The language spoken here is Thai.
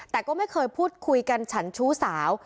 แต่ก็ไม่เคยพูดคุยกันฉันชู้สาว